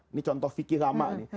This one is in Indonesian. ini contoh fikir lama nih